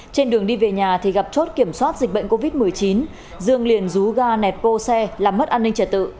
trên đường đi về nhà thì gặp chốt kiểm soát dịch bệnh covid một mươi chín dương liền rú ga nẹt bô xe làm mất an ninh trật tự